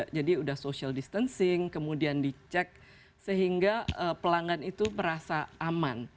sudah social distancing kemudian dicek sehingga pelanggan itu merasa aman